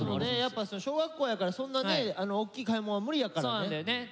やっぱ小学校やからそんなね大きい買いもんは無理やからね。